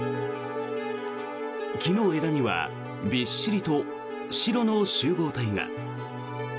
木の枝にはびっしりと白の集合体が。